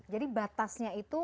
jadi batasnya itu